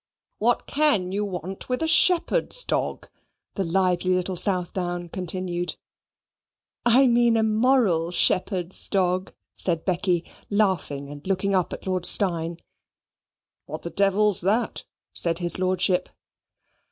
"What CAN you want with a shepherd's dog?" the lively little Southdown continued. "I mean a MORAL shepherd's dog," said Becky, laughing and looking up at Lord Steyne. "What the devil's that?" said his Lordship.